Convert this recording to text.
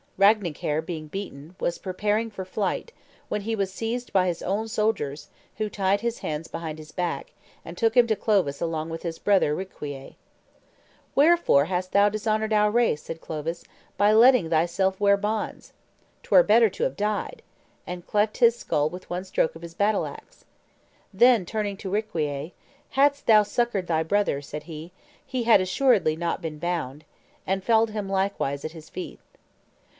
Ragnacaire, being beaten, was preparing for flight, when he was seized by his own soldiers, who tied his hands behind his back, and took him to Clovis along with his brother Riquier. "Wherefore hast thou dishonored our race," said Clovis, "by letting thyself wear bonds?" "Twere better to have died;" and cleft his skull with one stroke of his battle axe. Then turning to Riquier, "Hadst thou succored thy brother," said he, "he had assuredly not been bound;" and felled him likewise at his feet.